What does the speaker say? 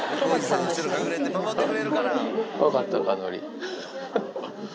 怖かったか、のり。